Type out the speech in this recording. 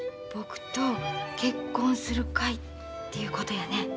「僕と結婚するかい？」っていうことやね。